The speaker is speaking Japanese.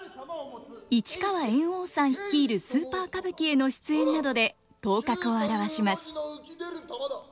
市川猿翁さん率いるスーパー歌舞伎への出演などで頭角を現します。